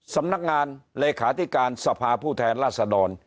สำนักงานเลขาที่การทรัพย์ผู้แทนลาศดร